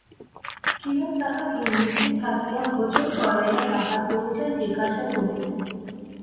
কিরণ তাহাকে নিজে থাকিয়া ভোজন করাইয়া তাহার পরিচয় জিজ্ঞাসা করিলেন।